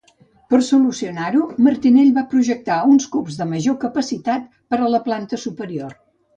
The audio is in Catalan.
Per solucionar-ho, Martinell va projectar uns cups de major capacitat per a la planta superior.